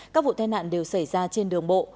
các vụ tai nạn đều xảy ra trên đường bộ